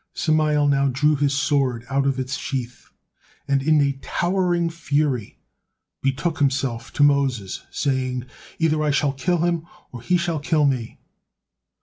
Samael now drew his sword out of its sheath and in a towering fury betook himself to Moses, saying, "Either I shall kill him or he shall kill me."